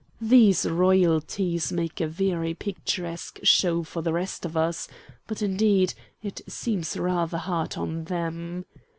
These royalties make a very picturesque show for the rest of us, but indeed it seems rather hard on them.